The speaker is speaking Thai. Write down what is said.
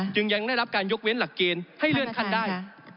ยังได้รับการยกเว้นหลักเกณฑ์ให้เลื่อนขั้นได้